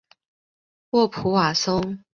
沃普瓦松。